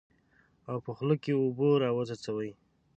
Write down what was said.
او په خوله کې اوبه راوڅڅوي.